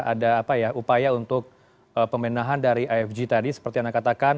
ada apa ya upaya untuk pemenahan dari afg tadi seperti anda katakan